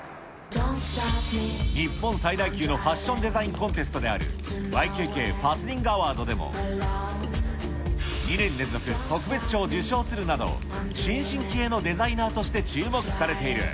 日本最大級のファッションデザインコンテストであるＹＫＫファスニングアワードでも、２年連続特別賞を受賞するなど新進気鋭のデザイナーとして注目されている。